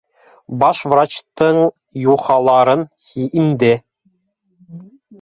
— Баш врачтың юхаларын инде